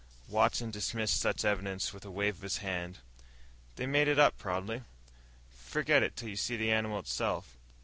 Watson dismissed such evidence with a wave of his hand. "They made it up, probably. Forget it till you see the animal itself.